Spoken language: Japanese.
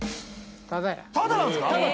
タダなんですか？